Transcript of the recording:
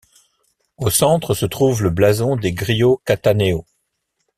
Au centre se trouve le blason des Grillo Cattaneo.